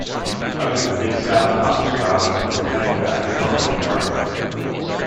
Only the mid-south parts of the island have retained their agricultural character.